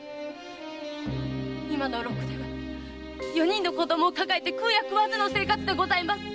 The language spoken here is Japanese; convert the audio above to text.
〔今の禄では四人の子供を抱えて食うや食わずの生活でございます〕